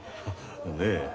ねえ。